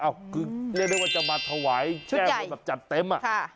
อ้าวเรียกได้ว่าจะมาถวายแช่งบนจัดเต็ม